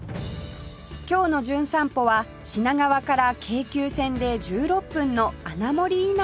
今日の『じゅん散歩』は品川から京急線で１６分の穴守稲荷へ